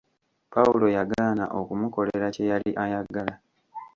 Pawulo yagaana okumukolera kye yali ayagala.